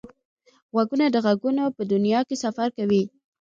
غوږونه د غږونو په دنیا کې سفر کوي